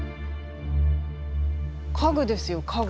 家具ですよ家具。